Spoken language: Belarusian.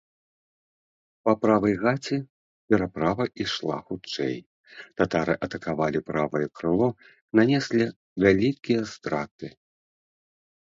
Па правай гаці пераправа ішла хутчэй, татары атакавалі правае крыло, нанеслі вялікія страты.